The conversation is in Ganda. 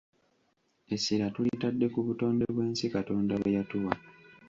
Essira tulitadde ku butonde bw’ensi Katonda bwe yatuwa.